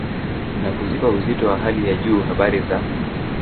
na kuzipa uzito wa hali ya juu habari za